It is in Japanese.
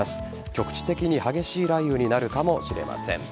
局地的に激しい雷雨になるかもしれません。